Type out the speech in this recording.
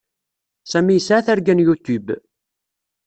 Sami yesɛa targa n YouTube.